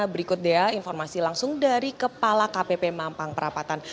berikut dia informasi langsung dari kpp mampang perapatan